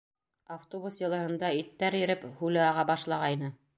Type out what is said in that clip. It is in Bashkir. Автобус йылыһында иттәр иреп, һүле аға башлағайны.